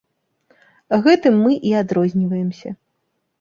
Гэтым мы і адрозніваемся.